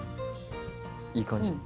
いい感じ。